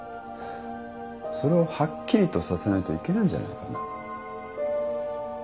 それをはっきりとさせないといけないんじゃないかな。